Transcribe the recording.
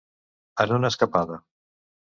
En una escapada.